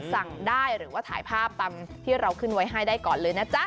สั่งได้หรือว่าถ่ายภาพตามที่เราขึ้นไว้ให้ได้ก่อนเลยนะจ๊ะ